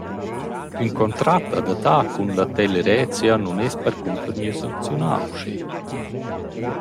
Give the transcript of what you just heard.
Ün contrat adattà cun la Tele-Rätia nun es percunter gnü sancziunà uschè.